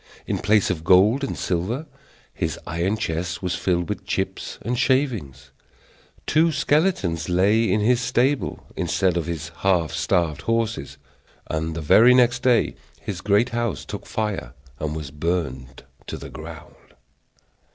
In place of gold and silver, his iron chest was filled with chips and shavings; two skeletons lay in his stable instead of his half starved horses, and the very next day his great house took fire and was burned to the ground.